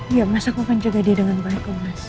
iya mas aku akan jaga dia dengan baik om mas